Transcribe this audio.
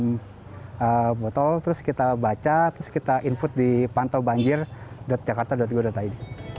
kita potol terus kita baca terus kita input di pantalbanjir jakarta gudut id